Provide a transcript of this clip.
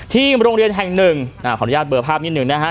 โรงเรียนแห่งหนึ่งขออนุญาตเบอร์ภาพนิดหนึ่งนะฮะ